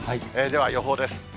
では予報です。